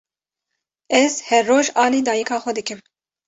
Ez her roj alî dayîka xwe dikim.